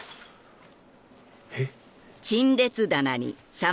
えっ？